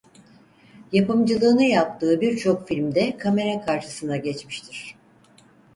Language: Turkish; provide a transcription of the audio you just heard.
Yapımcılığını yaptığı birçok filmde kamera karşısına geçmiştir.